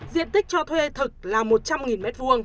diện tích cho thuê thực là một trăm linh m hai